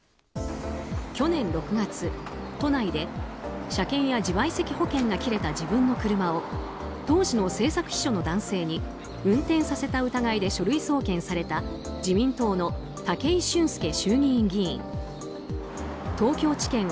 去年６月、都内で車検や自賠責保険が切れた自分の車を当時の政策秘書の男性に運転させた疑いで書類送検された自民党の武井俊輔衆議院議員。